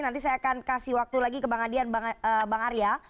nanti saya akan kasih waktu lagi ke bang arya